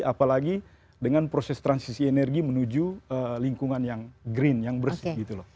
apalagi dengan proses transisi energi menuju lingkungan yang green yang bersih gitu loh